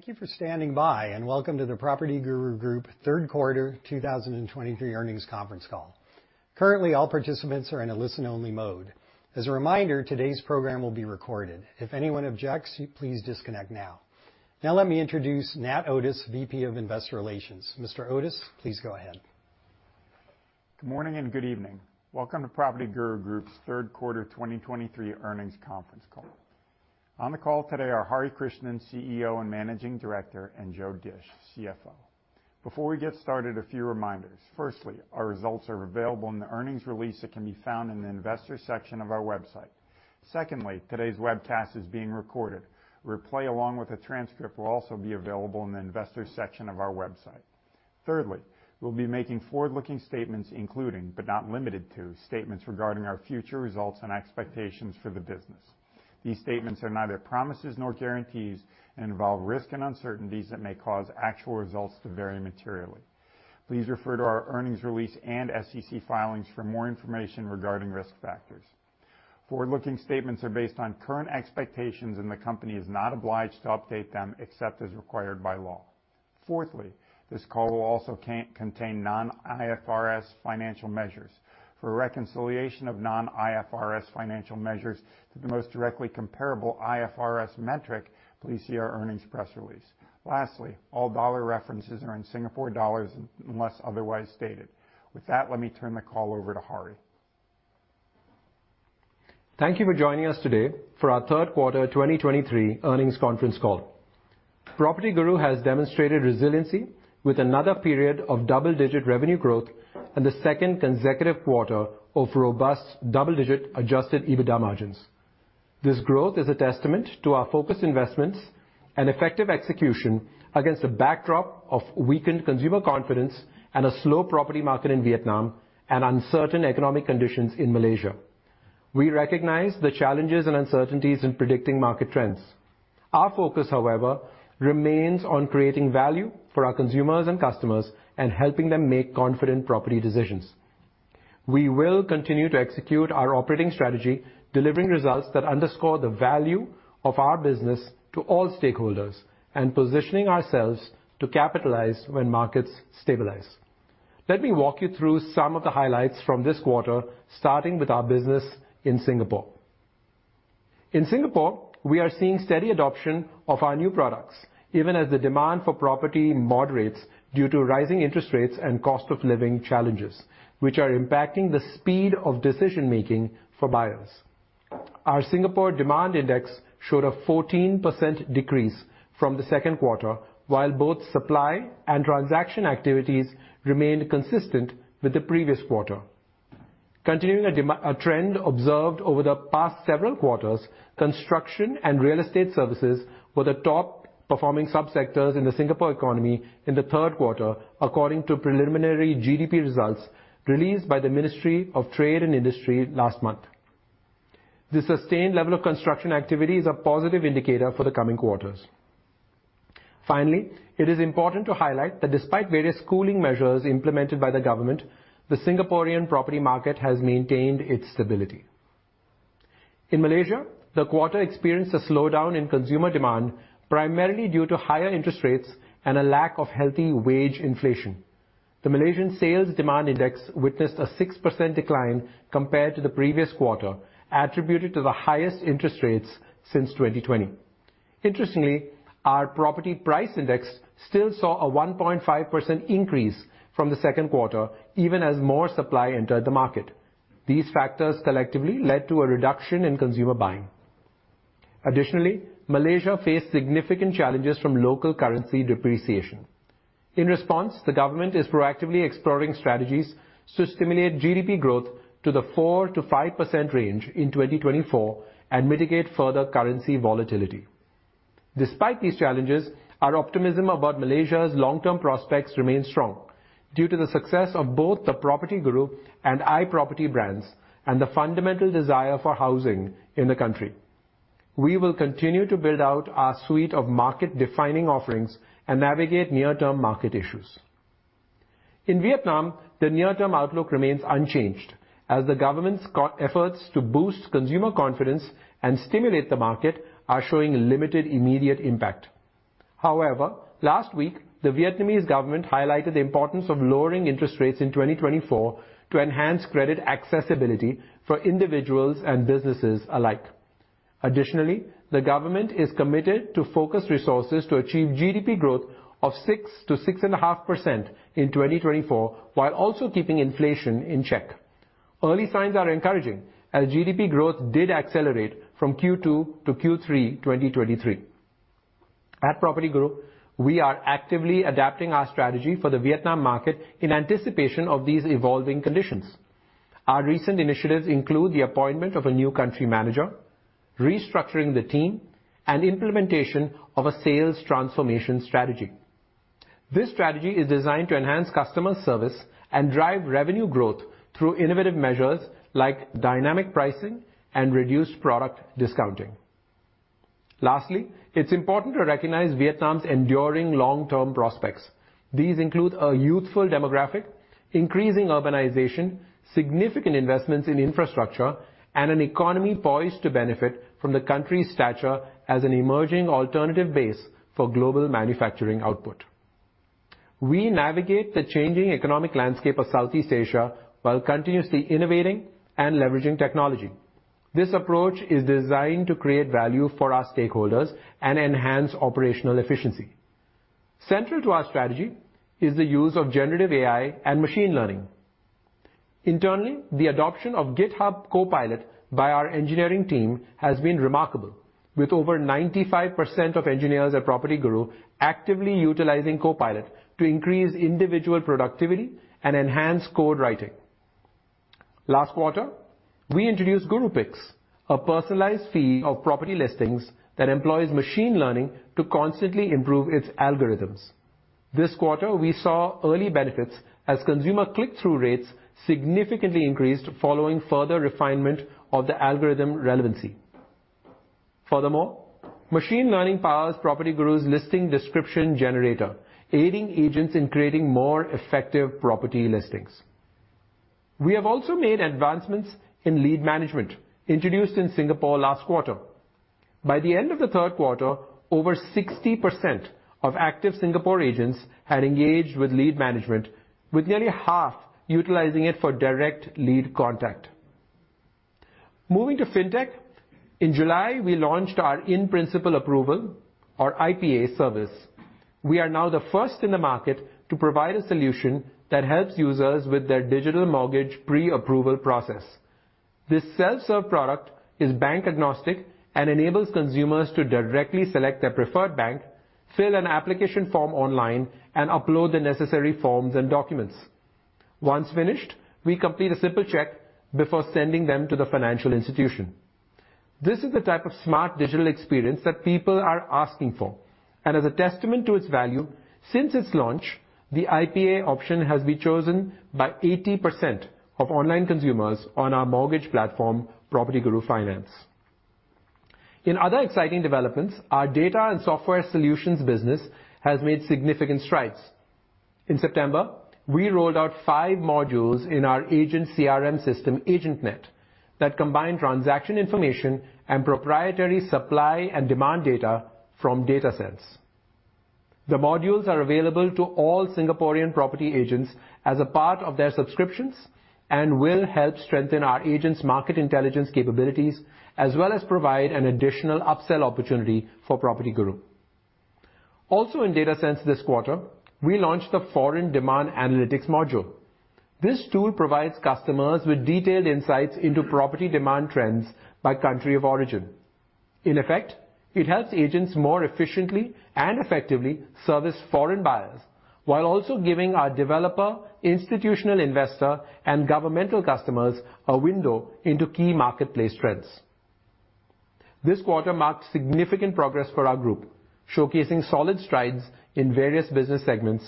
Thank you for standing by, and welcome to the PropertyGuru Group third quarter 2023 earnings conference call. Currently, all participants are in a listen-only mode. As a reminder, today's program will be recorded. If anyone objects, you please disconnect now. Now, let me introduce Nat Otis, VP of Investor Relations. Mr. Otis, please go ahead. Good morning and good evening. Welcome to PropertyGuru Group's third quarter 2023 earnings conference call. On the call today are Hari Krishnan, CEO and Managing Director, and Joe Dische, CFO. Before we get started, a few reminders. Firstly, our results are available in the earnings release that can be found in the investors section of our website. Secondly, today's webcast is being recorded. A replay, along with a transcript, will also be available in the Investors section of our website. Thirdly, we'll be making forward-looking statements, including, but not limited to, statements regarding our future results and expectations for the business. These statements are neither promises nor guarantees, and involve risk and uncertainties that may cause actual results to vary materially. Please refer to our earnings release and SEC filings for more information regarding risk factors. Forward-looking statements are based on current expectations, and the company is not obliged to update them except as required by law. Fourthly, this call will also contain non-IFRS financial measures. For a reconciliation of non-IFRS financial measures to the most directly comparable IFRS metric, please see our earnings press release. Lastly, all dollar references are in Singapore dollars unless otherwise stated. With that, let me turn the call over to Hari. Thank you for joining us today for our third quarter 2023 earnings conference call. PropertyGuru has demonstrated resiliency with another period of double-digit revenue growth and the second consecutive quarter of robust double-digit Adjusted EBITDA margins. This growth is a testament to our focused investments and effective execution against a backdrop of weakened consumer confidence and a slow property market in Vietnam and uncertain economic conditions in Malaysia. We recognize the challenges and uncertainties in predicting market trends. Our focus, however, remains on creating value for our consumers and customers and helping them make confident property decisions. We will continue to execute our operating strategy, delivering results that underscore the value of our business to all stakeholders and positioning ourselves to capitalize when markets stabilize. Let me walk you through some of the highlights from this quarter, starting with our business in Singapore. In Singapore, we are seeing steady adoption of our new products, even as the demand for property moderates due to rising interest rates and cost of living challenges, which are impacting the speed of decision making for buyers. Our Singapore Demand Index showed a 14% decrease from the second quarter, while both supply and transaction activities remained consistent with the previous quarter. Continuing a trend observed over the past several quarters, construction and real estate services were the top performing subsectors in the Singapore economy in the third quarter, according to preliminary GDP results released by the Ministry of Trade and Industry last month. The sustained level of construction activity is a positive indicator for the coming quarters. Finally, it is important to highlight that despite various cooling measures implemented by the government, the Singaporean property market has maintained its stability. In Malaysia, the quarter experienced a slowdown in consumer demand, primarily due to higher interest rates and a lack of healthy wage inflation. The Malaysian Sales Demand Index witnessed a 6% decline compared to the previous quarter, attributed to the highest interest rates since 2020. Interestingly, our Property Price Index still saw a 1.5% increase from the second quarter, even as more supply entered the market. These factors collectively led to a reduction in consumer buying. Additionally, Malaysia faced significant challenges from local currency depreciation. In response, the government is proactively exploring strategies to stimulate GDP growth to the 4%-5% range in 2024 and mitigate further currency volatility. Despite these challenges, our optimism about Malaysia's long-term prospects remains strong due to the success of both the PropertyGuru and iProperty brands and the fundamental desire for housing in the country. We will continue to build out our suite of market-defining offerings and navigate near-term market issues. In Vietnam, the near-term outlook remains unchanged, as the government's efforts to boost consumer confidence and stimulate the market are showing limited immediate impact. However, last week, the Vietnamese government highlighted the importance of lowering interest rates in 2024 to enhance credit accessibility for individuals and businesses alike. Additionally, the government is committed to focus resources to achieve GDP growth of 6%-6.5% in 2024, while also keeping inflation in check. Early signs are encouraging, as GDP growth did accelerate from Q2 to Q3, 2023. At PropertyGuru, we are actively adapting our strategy for the Vietnam market in anticipation of these evolving conditions. Our recent initiatives include the appointment of a new country manager, restructuring the team, and implementation of a sales transformation strategy. This strategy is designed to enhance customer service and drive revenue growth through innovative measures like dynamic pricing and reduced product discounting. Lastly, it's important to recognize Vietnam's enduring long-term prospects. These include a youthful demographic, increasing urbanization, significant investments in infrastructure, and an economy poised to benefit from the country's stature as an emerging alternative base for global manufacturing output. We navigate the changing economic landscape of Southeast Asia, while continuously innovating and leveraging technology. This approach is designed to create value for our stakeholders and enhance operational efficiency. Central to our strategy is the use of generative AI and machine learning. Internally, the adoption of GitHub Copilot by our engineering team has been remarkable, with over 95% of engineers at PropertyGuru actively utilizing Copilot to increase individual productivity and enhance code writing. Last quarter, we introduced GuruPicks, a personalized feed of property listings that employs machine learning to constantly improve its algorithms. This quarter, we saw early benefits as consumer click-through rates significantly increased following further refinement of the algorithm relevancy. Furthermore, machine learning powers PropertyGuru's listing description generator, aiding agents in creating more effective property listings. We have also made advancements in lead management, introduced in Singapore last quarter. By the end of the third quarter, over 60% of active Singapore agents had engaged with lead management, with nearly half utilizing it for direct lead contact. Moving to Fintech, in July, we launched our In-Principle Approval, or IPA service. We are now the first in the market to provide a solution that helps users with their digital mortgage pre-approval process. This self-serve product is bank agnostic and enables consumers to directly select their preferred bank, fill an application form online, and upload the necessary forms and documents. Once finished, we complete a simple check before sending them to the financial institution. This is the type of smart digital experience that people are asking for, and as a testament to its value, since its launch, the IPA option has been chosen by 80% of online consumers on our mortgage platform, PropertyGuru Finance. In other exciting developments, our data and software solutions business has made significant strides. In September, we rolled out five modules in our agent CRM system, AgentNet, that combine transaction information and proprietary supply and demand data from DataSense. The modules are available to all Singaporean property agents as a part of their subscriptions and will help strengthen our agents' market intelligence capabilities, as well as provide an additional upsell opportunity for PropertyGuru. Also in DataSense this quarter, we launched the Foreign Demand Analytics module. This tool provides customers with detailed insights into property demand trends by country of origin. In effect, it helps agents more efficiently and effectively service foreign buyers, while also giving our developer, institutional investor, and governmental customers a window into key marketplace trends. This quarter marks significant progress for our group, showcasing solid strides in various business segments,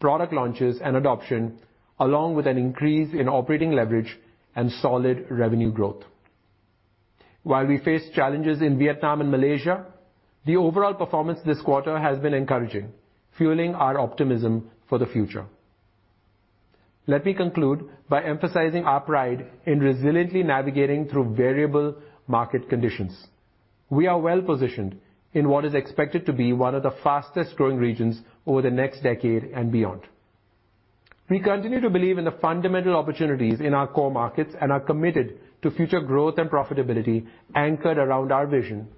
product launches and adoption, along with an increase in operating leverage and solid revenue growth. While we face challenges in Vietnam and Malaysia, the overall performance this quarter has been encouraging, fueling our optimism for the future. Let me conclude by emphasizing our pride in resiliently navigating through variable market conditions. We are well-positioned in what is expected to be one of the fastest growing regions over the next decade and beyond. We continue to believe in the fundamental opportunities in our core markets and are committed to future growth and profitability anchored around our vision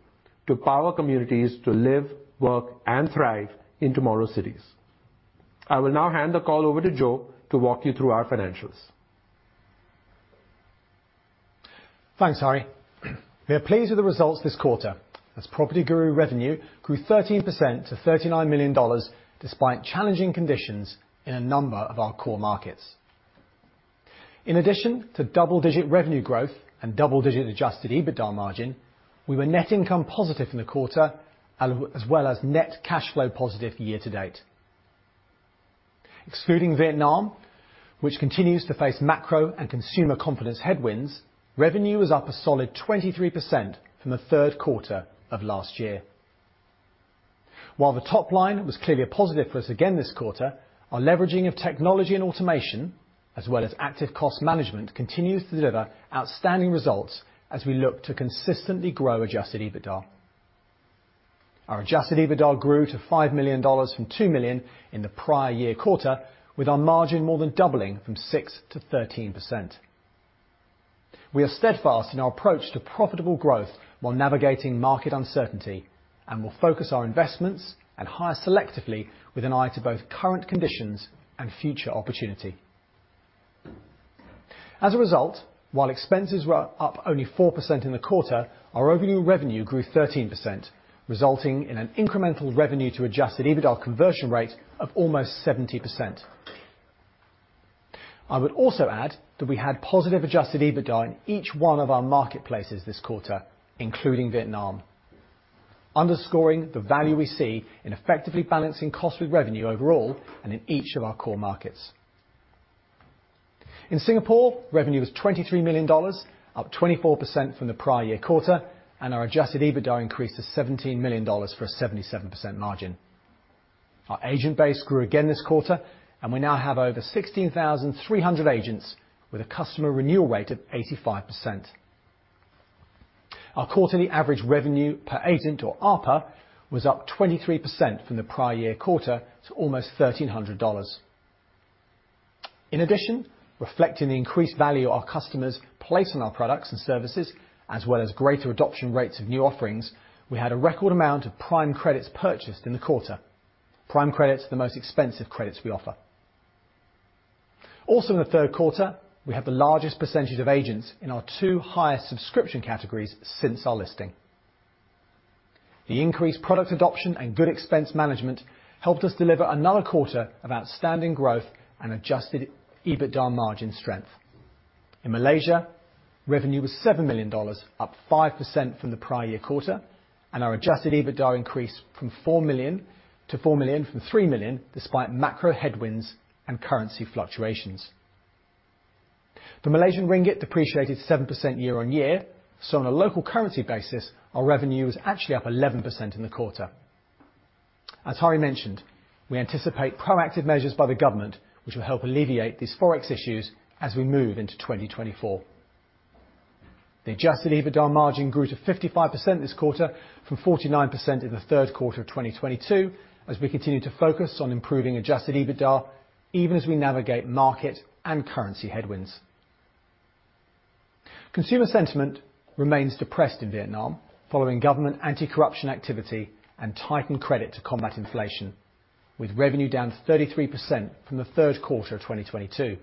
to power communities to live, work, and thrive in tomorrow's cities. I will now hand the call over to Joe to walk you through our financials. Thanks, Hari. We are pleased with the results this quarter, as PropertyGuru revenue grew 13% to 39 million dollars, despite challenging conditions in a number of our core markets. In addition to double-digit revenue growth and double-digit Adjusted EBITDA margin, we were net income positive in the quarter, and as well as net cash flow positive year to date. Excluding Vietnam, which continues to face macro and consumer confidence headwinds, revenue is up a solid 23% from the third quarter of last year. While the top line was clearly a positive for us again this quarter, our leveraging of technology and automation, as well as active cost management, continues to deliver outstanding results as we look to consistently grow Adjusted EBITDA. Our Adjusted EBITDA grew to 5 million dollars from 2 million in the prior year quarter, with our margin more than doubling from 6% to 13%. We are steadfast in our approach to profitable growth while navigating market uncertainty, and will focus our investments and hire selectively with an eye to both current conditions and future opportunity. As a result, while expenses were up only 4% in the quarter, our overall revenue grew 13%, resulting in an incremental revenue to Adjusted EBITDA conversion rate of almost 70%. I would also add that we had positive Adjusted EBITDA in each one of our marketplaces this quarter, including Vietnam, underscoring the value we see in effectively balancing cost with revenue overall and in each of our core markets. In Singapore, revenue was 23 million dollars, up 24% from the prior year quarter, and our Adjusted EBITDA increased to 17 million dollars for a 77% margin. Our agent base grew again this quarter, and we now have over 16,300 agents with a customer renewal rate of 85%. Our quarterly average revenue per agent, or ARPA, was up 23% from the prior year quarter to almost 1,300 dollars. In addition, reflecting the increased value our customers place on our products and services, as well as greater adoption rates of new offerings, we had a record amount of Prime Credits purchased in the quarter. Prime Credits are the most expensive credits we offer. Also, in the third quarter, we had the largest percentage of agents in our two highest subscription categories since our listing. The increased product adoption and good expense management helped us deliver another quarter of outstanding growth and Adjusted EBITDA margin strength. In Malaysia, revenue was 7 million dollars, up 5% from the prior year quarter, and our Adjusted EBITDA increased from 4 million to 4 million from 3 million, despite macro headwinds and currency fluctuations. The Malaysian ringgit depreciated 7% year-on-year, so on a local currency basis, our revenue was actually up 11% in the quarter. As Hari mentioned, we anticipate proactive measures by the government, which will help alleviate these Forex issues as we move into 2024. The Adjusted EBITDA margin grew to 55% this quarter from 49% in the third quarter of 2022, as we continue to focus on improving Adjusted EBITDA, even as we navigate market and currency headwinds. Consumer sentiment remains depressed in Vietnam, following government anti-corruption activity and tightened credit to combat inflation, with revenue down 33% from the third quarter of 2022.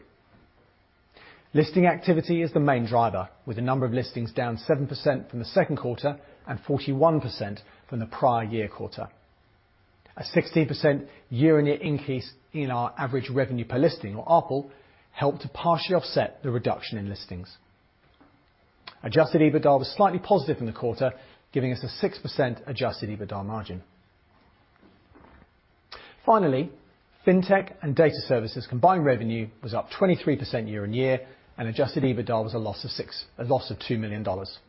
Listing activity is the main driver, with the number of listings down 7% from the second quarter and 41% from the prior year quarter. A 16% year-on-year increase in our average revenue per listing, or ARPL, helped to partially offset the reduction in listings. Adjusted EBITDA was slightly positive in the quarter, giving us a 6% Adjusted EBITDA margin. Finally, Fintech and data services combined revenue was up 23% year-on-year, and Adjusted EBITDA was a loss of 2 million dollars.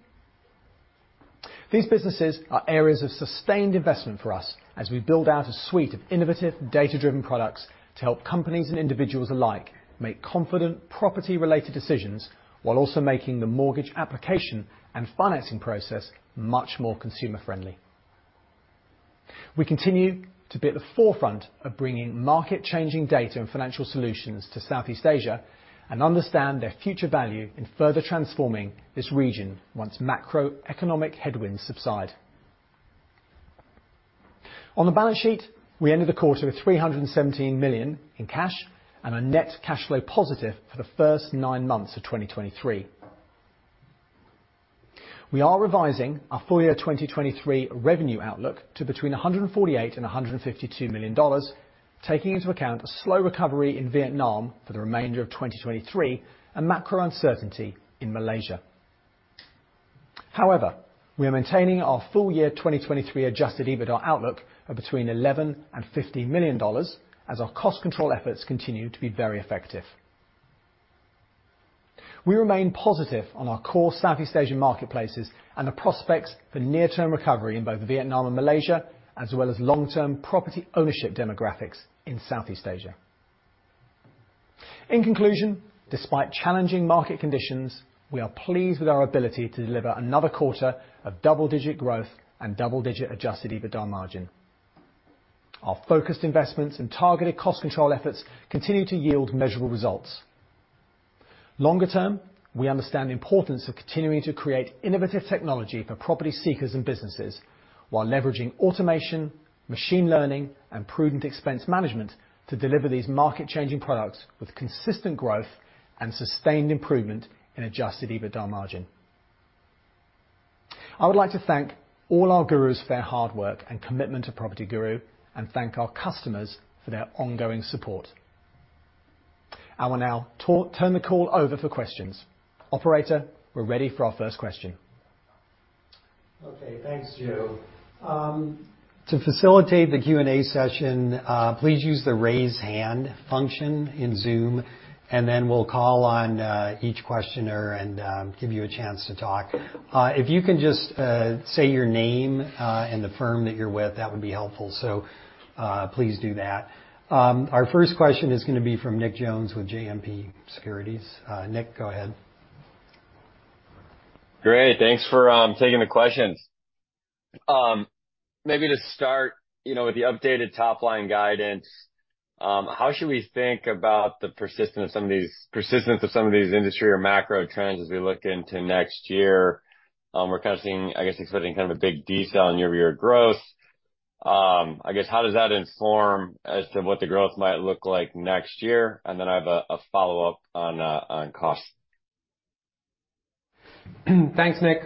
These businesses are areas of sustained investment for us as we build out a suite of innovative, data-driven products to help companies and individuals alike make confident property-related decisions, while also making the mortgage application and financing process much more consumer-friendly. We continue to be at the forefront of bringing market-changing data and financial solutions to Southeast Asia and understand their future value in further transforming this region once macroeconomic headwinds subside. On the balance sheet, we ended the quarter with 317 million in cash and a net cash flow positive for the first nine months of 2023. We are revising our full year 2023 revenue outlook to between 148 million and 152 million dollars, taking into account a slow recovery in Vietnam for the remainder of 2023, and macro uncertainty in Malaysia. However, we are maintaining our full year 2023 Adjusted EBITDA outlook of between 11 million and 15 million dollars, as our cost control efforts continue to be very effective. We remain positive on our core Southeast Asian marketplaces and the prospects for near-term recovery in both Vietnam and Malaysia, as well as long-term property ownership demographics in Southeast Asia. In conclusion, despite challenging market conditions, we are pleased with our ability to deliver another quarter of double-digit growth and double-digit Adjusted EBITDA margin. Our focused investments and targeted cost control efforts continue to yield measurable results. Longer term, we understand the importance of continuing to create innovative technology for property seekers and businesses, while leveraging automation, machine learning, and prudent expense management to deliver these market-changing products with consistent growth and sustained improvement in Adjusted EBITDA margin. I would like to thank all our Gurus for their hard work and commitment to PropertyGuru, and thank our customers for their ongoing support. I will now turn the call over for questions. Operator, we're ready for our first question. Okay, thanks, Joe. To facilitate the Q&A session, please use the Raise Hand function in Zoom, and then we'll call on each questioner and give you a chance to talk. If you can just say your name and the firm that you're with, that would be helpful. So, please do that. Our first question is gonna be from Nick Jones with JMP Securities. Nick, go ahead. Great. Thanks for taking the questions. Maybe to start, you know, with the updated top-line guidance, how should we think about the persistence of some of these industry or macro trends as we look into next year? We're kind of seeing, I guess, expecting kind of a big decel in year-over-year growth. I guess, how does that inform as to what the growth might look like next year? And then I have a follow-up on cost. Thanks, Nick.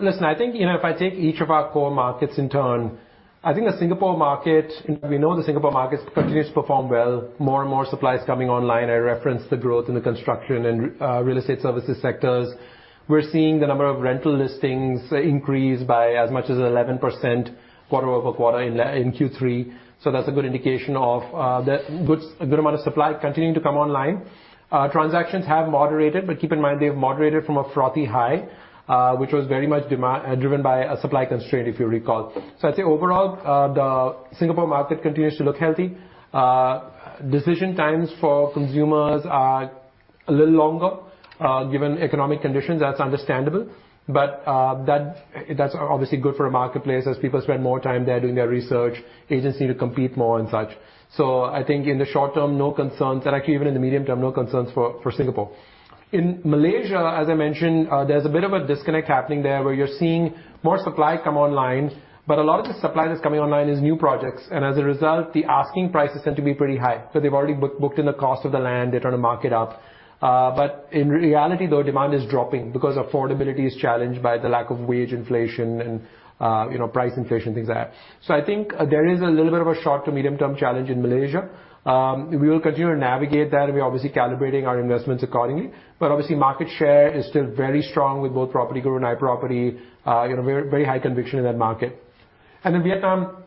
Listen, I think, you know, if I take each of our core markets in turn, I think the Singapore market, we know the Singapore market continues to perform well. More and more supply is coming online. I referenced the growth in the construction and real estate services sectors. We're seeing the number of rental listings increase by as much as 11% quarter-over-quarter in Q3, so that's a good indication of a good amount of supply continuing to come online. Transactions have moderated, but keep in mind, they've moderated from a frothy high, which was very much demand-driven by a supply constraint, if you recall. So I'd say overall, the Singapore market continues to look healthy. Decision times for consumers are a little longer, given economic conditions, that's understandable. But, that's obviously good for a marketplace as people spend more time there doing their research, agents need to compete more and such. So I think in the short term, no concerns, and actually even in the medium term, no concerns for Singapore. In Malaysia, as I mentioned, there's a bit of a disconnect happening there, where you're seeing more supply come online, but a lot of the supply that's coming online is new projects, and as a result, the asking prices tend to be pretty high, so they've already booked in the cost of the land, they try to mark it up. But in reality, though, demand is dropping because affordability is challenged by the lack of wage inflation and, you know, price inflation, things like that. So I think there is a little bit of a short to medium-term challenge in Malaysia. We will continue to navigate that, and we're obviously calibrating our investments accordingly. But obviously, market share is still very strong with both PropertyGuru and iProperty, you know, very, very high conviction in that market. And in Vietnam,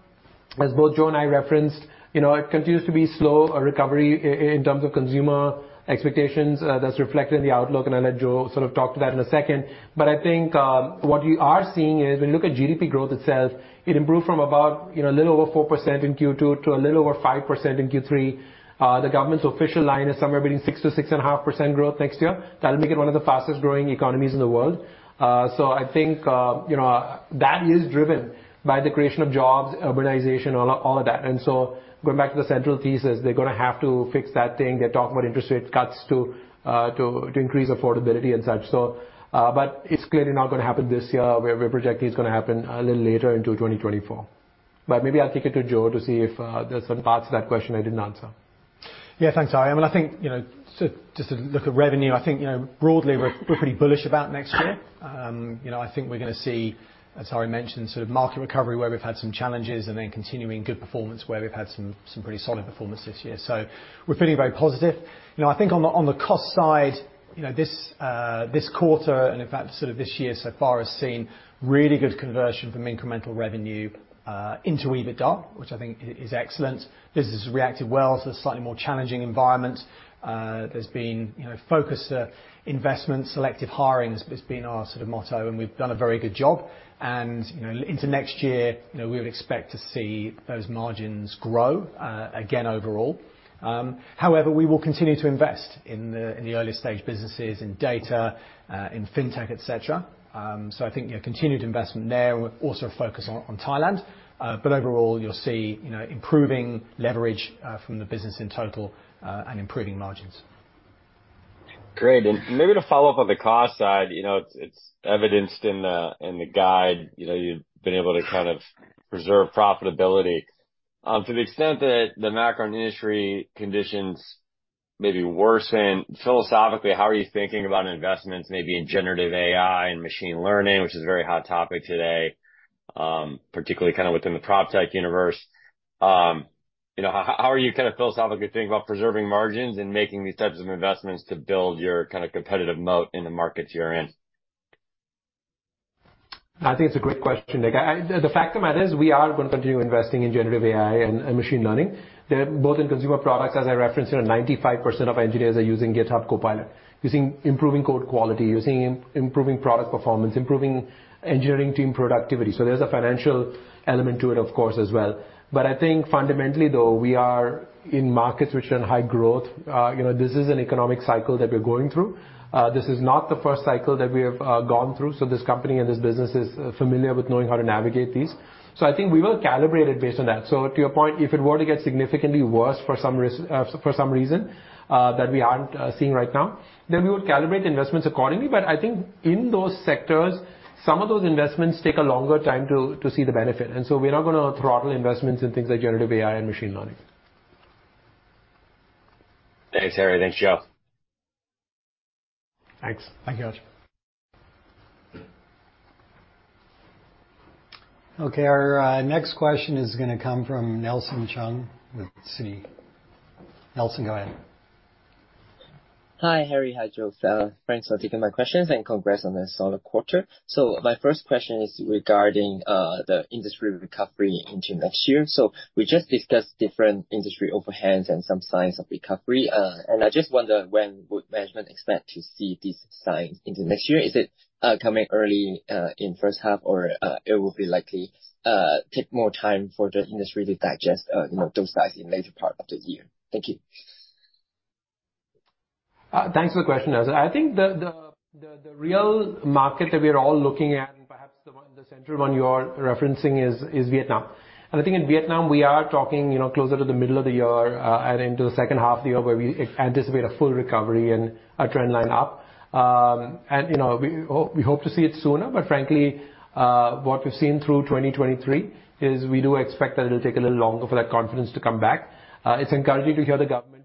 as both Joe and I referenced, you know, it continues to be slow recovery in terms of consumer expectations, that's reflected in the outlook, and I'll let Joe sort of talk to that in a second. But I think, what we are seeing is when you look at GDP growth itself, it improved from about, you know, a little over 4% in Q2 to a little over 5% in Q3. The government's official line is somewhere between 6%-6.5% growth next year. That'll make it one of the fastest-growing economies in the world. So I think, you know, that is driven by the creation of jobs, urbanization, all, all of that. And so going back to the central thesis, they're gonna have to fix that thing. They're talking about interest rate cuts to, to increase affordability and such, so, but it's clearly not gonna happen this year, where we project it's gonna happen a little later into 2024. But maybe I'll kick it to Joe to see if, there's some parts of that question I didn't answer. Yeah, thanks, Hari. I mean, I think, you know, so just to look at revenue, I think, you know, broadly, we're, we're pretty bullish about next year. You know, I think we're gonna see, as Hari mentioned, sort of market recovery, where we've had some challenges, and then continuing good performance, where we've had some, some pretty solid performance this year. So we're feeling very positive. You know, I think on the, on the cost side, you know, this, this quarter, and in fact, sort of this year, so far has seen really good conversion from incremental revenue, into EBITDA, which I think is excellent. Business has reacted well to a slightly more challenging environment. There's been, you know, focused, investments. Selective hiring has, has been our sort of motto, and we've done a very good job. You know, into next year, you know, we would expect to see those margins grow again overall. However, we will continue to invest in the, in the early stage businesses, in data, in fintech, et cetera. So I think, you know, continued investment there, and we're also focused on, on Thailand. But overall, you'll see, you know, improving leverage from the business in total, and improving margins. Great. And maybe to follow up on the cost side, you know, it's, it's evidenced in the, in the guide, you know, you've been able to kind of preserve profitability. To the extent that the macro industry conditions may be worsening, philosophically, how are you thinking about investments maybe in generative AI and machine learning, which is a very hot topic today, particularly kind of within the proptech universe? You know, how are you kind of philosophically thinking about preserving margins and making these types of investments to build your kind of competitive moat in the markets you're in? I think it's a great question, Nick. The fact of the matter is, we are gonna continue investing in generative AI and machine learning. They're both in consumer products. As I referenced, you know, 95% of our engineers are using GitHub Copilot. You're seeing improving code quality, you're seeing improving product performance, improving engineering team productivity. So there's a financial element to it, of course, as well. But I think fundamentally, though, we are in markets which are in high growth. You know, this is an economic cycle that we're going through. This is not the first cycle that we have gone through, so this company and this business is familiar with knowing how to navigate these. So I think we will calibrate it based on that. So to your point, if it were to get significantly worse for some reason that we aren't seeing right now, then we would calibrate investments accordingly. But I think in those sectors, some of those investments take a longer time to see the benefit, and so we're not gonna throttle investments in things like generative AI and machine learning. Thanks, Hari. Thanks, Joe. Thanks. Thank you. Okay, our next question is gonna come from Nelson Cheung with Citi. Nelson, go ahead. Hi, Hari. Hi, Joe. Thanks for taking my questions, and congrats on a solid quarter. So my first question is regarding the industry recovery into next year. So we just discussed different industry overhangs and some signs of recovery, and I just wonder, when would management expect to see these signs into next year? Is it coming early in first half, or it will be likely take more time for the industry to digest you know those signs in later part of the year? Thank you. Thanks for the question, Nelson. I think the real market that we are all looking at, and perhaps the one, the central one you are referencing is Vietnam. And I think in Vietnam, we are talking, you know, closer to the middle of the year, and into the second half of the year, where we anticipate a full recovery and a trend line up. And, you know, we hope to see it sooner, but frankly, what we've seen through 2023 is we do expect that it'll take a little longer for that confidence to come back. It's encouraging to hear the government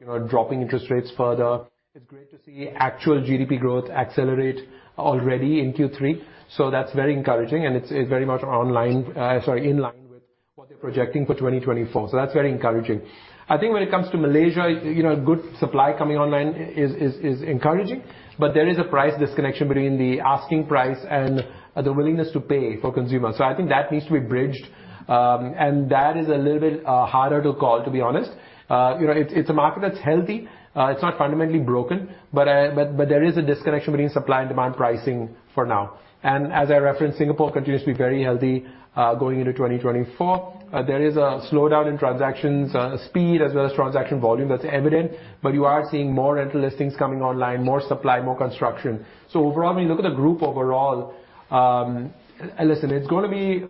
talk about, you know, dropping interest rates further. It's great to see actual GDP growth accelerate already in Q3, so that's very encouraging and it's very much in line with what they're projecting for 2024, so that's very encouraging. I think when it comes to Malaysia, you know, good supply coming online is encouraging, but there is a price disconnection between the asking price and the willingness to pay for consumers. So I think that needs to be bridged. And that is a little bit harder to call, to be honest. You know, it's a market that's healthy. It's not fundamentally broken, but there is a disconnection between supply and demand pricing for now. And as I referenced, Singapore continues to be very healthy going into 2024. There is a slowdown in transactions speed as well as transaction volume. That's evident, but you are seeing more rental listings coming online, more supply, more construction. So overall, when you look at the group overall, listen, it's gonna be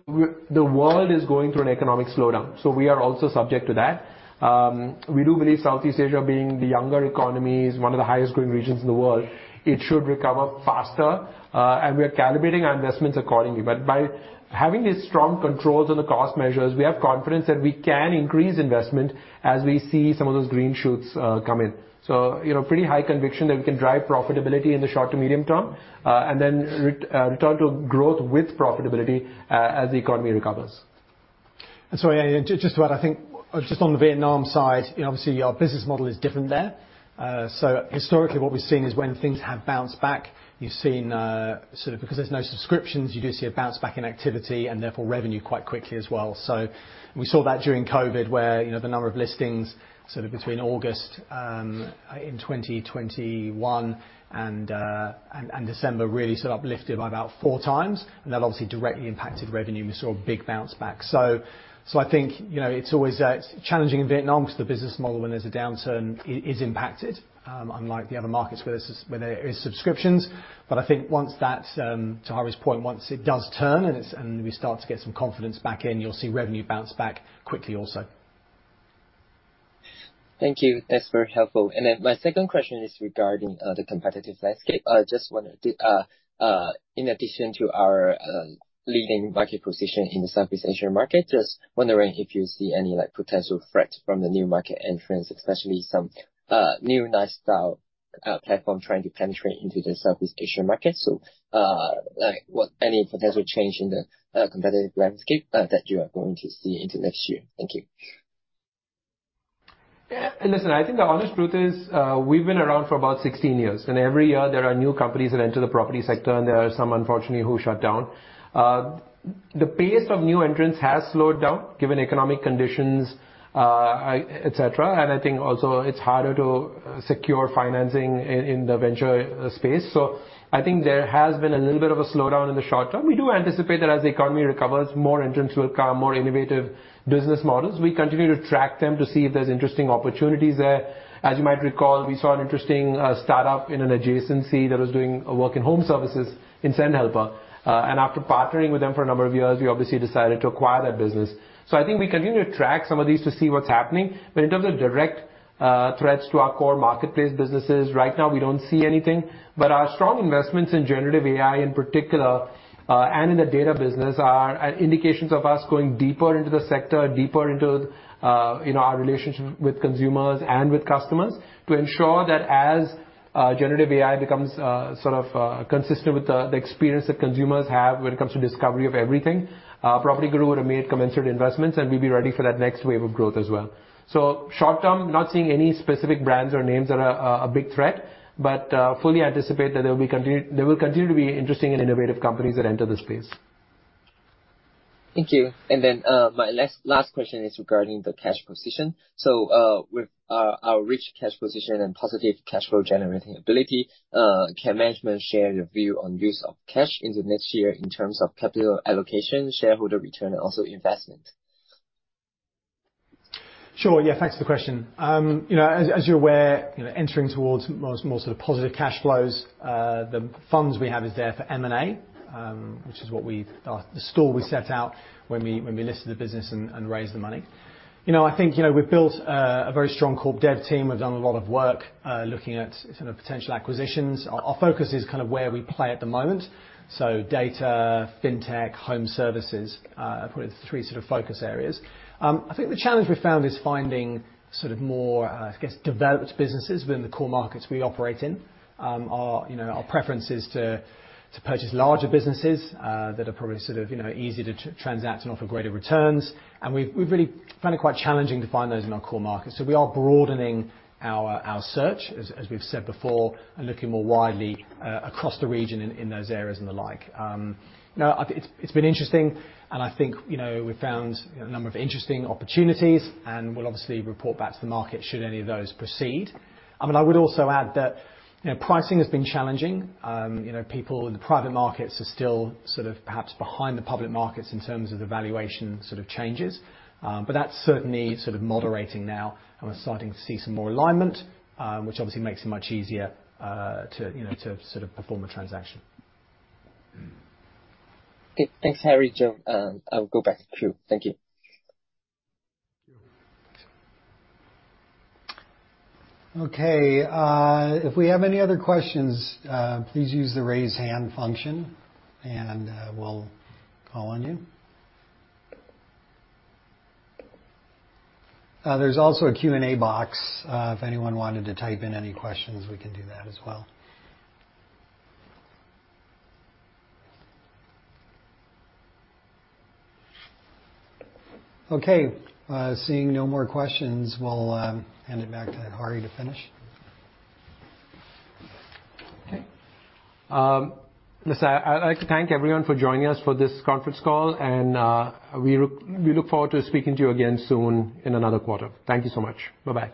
the world is going through an economic slowdown, so we are also subject to that. We do believe Southeast Asia, being the younger economy, is one of the highest growing regions in the world, it should recover faster, and we are calibrating our investments accordingly. But by having these strong controls on the cost measures, we have confidence that we can increase investment as we see some of those green shoots, come in. So, you know, pretty high conviction that we can drive profitability in the short to medium term, and then return to growth with profitability, as the economy recovers. And so just to add, I think, just on the Vietnam side, you know, obviously, our business model is different there. So historically, what we've seen is when things have bounced back, you've seen sort of because there's no subscriptions, you do see a bounce back in activity and therefore revenue quite quickly as well. So we saw that during COVID, where, you know, the number of listings sort of between August in 2021 and December really sort of uplifted by about 4x. And that obviously directly impacted revenue. We saw a big bounce back. So I think, you know, it's always challenging in Vietnam because the business model, when there's a downturn, is impacted unlike the other markets where there is subscriptions. But I think, to Hari's point, once it does turn and we start to get some confidence back in, you'll see revenue bounce back quickly also. Thank you. That's very helpful. And then my second question is regarding the competitive landscape. I just wonder, in addition to our leading market position in the Southeast Asian market, just wondering if you see any, like, potential threats from the new market entrants, especially some new lifestyle platform trying to penetrate into the Southeast Asian market. So, like, what any potential change in the competitive landscape that you are going to see into next year? Thank you. Yeah, and listen, I think the honest truth is, we've been around for about 16 years, and every year there are new companies that enter the property sector, and there are some, unfortunately, who shut down. The pace of new entrants has slowed down, given economic conditions, et cetera. And I think also it's harder to secure financing in the venture space. So I think there has been a little bit of a slowdown in the short term. We do anticipate that as the economy recovers, more entrants will come, more innovative business models. We continue to track them to see if there's interesting opportunities there. As you might recall, we saw an interesting startup in an adjacency that was doing work in home services in Sendhelper. And after partnering with them for a number of years, we obviously decided to acquire that business. So I think we continue to track some of these to see what's happening. But in terms of direct, threats to our core marketplace businesses, right now, we don't see anything. But our strong investments in generative AI in particular, and in the data business, are indications of us going deeper into the sector, deeper into, you know, our relationship with consumers and with customers to ensure that as, generative AI becomes, sort of, consistent with the, the experience that consumers have when it comes to discovery of everything, PropertyGuru would have made commensurate investments, and we'd be ready for that next wave of growth as well. So short term, not seeing any specific brands or names that are a big threat, but fully anticipate that there will continue to be interesting and innovative companies that enter this space. Thank you. And then, my last, last question is regarding the cash position. So, with our, our rich cash position and positive cash flow generating ability, can management share your view on use of cash in the next year in terms of capital allocation, shareholder return, and also investment? Sure. Yeah, thanks for the question. You know, as you're aware, you know, entering towards more sort of positive cash flows, the funds we have is there for M&A, which is what we set out when we listed the business and raised the money. You know, I think, you know, we've built a very strong corp dev team. We've done a lot of work looking at sort of potential acquisitions. Our focus is kind of where we play at the moment, so data, fintech, home services are probably the three sort of focus areas. I think the challenge we've found is finding sort of more, I guess, developed businesses within the core markets we operate in. You know, our preference is to purchase larger businesses that are probably sort of, you know, easier to transact and offer greater returns. And we've really found it quite challenging to find those in our core markets. So we are broadening our search, as we've said before, and looking more widely across the region in those areas and the like. You know, it's been interesting, and I think, you know, we've found a number of interesting opportunities, and we'll obviously report back to the market should any of those proceed. I mean, I would also add that, you know, pricing has been challenging. You know, people in the private markets are still sort of perhaps behind the public markets in terms of the valuation sort of changes. But that's certainly sort of moderating now, and we're starting to see some more alignment, which obviously makes it much easier, you know, to sort of perform a transaction. Okay. Thanks, Hari, Joe. I'll go back to you. Thank you. Okay, if we have any other questions, please use the Raise Hand function, and we'll call on you. There's also a Q&A box. If anyone wanted to type in any questions, we can do that as well. Okay, seeing no more questions, we'll hand it back to Hari to finish. Okay. Listen, I'd like to thank everyone for joining us for this conference call, and we look forward to speaking to you again soon in another quarter. Thank you so much. Bye-bye.